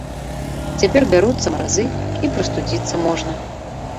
Цяпер бяруцца маразы, і прастудзіцца можна.